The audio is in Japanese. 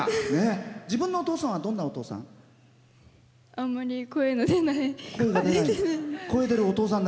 自分のお父さんはどんなお父さん？